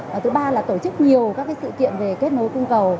và thứ ba là tổ chức nhiều các sự kiện về kết nối cung cầu